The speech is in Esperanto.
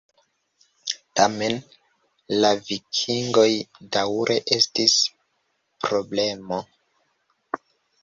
Tamen la vikingoj daŭre estis problemo.